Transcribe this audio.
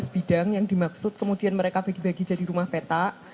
enam belas bidang yang dimaksud kemudian mereka bagi bagi jadi rumah peta